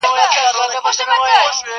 نه دعوه نه بهانه سي څوك منلاى!.